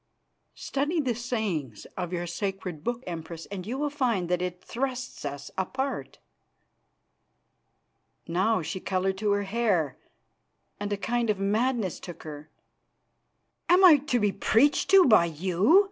"Study the sayings of your sacred book, Empress, and you will find that it thrusts us apart." Now she coloured to her hair, and a kind of madness took her. "Am I to be preached to by you?"